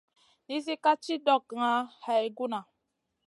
Nizi ka ci ɗokŋa hay guna.